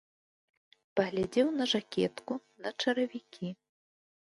Паглядзеў на жакетку, на чаравікі.